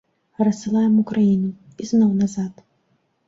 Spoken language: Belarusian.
Рассылаем у краіну, ізноў назад.